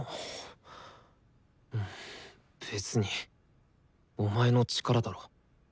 別にお前の力だろ。